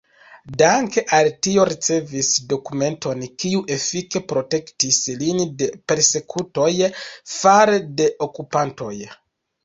Danke al tio ricevis dokumenton, kiu efike protektis lin de persekutoj fare de okupantoj.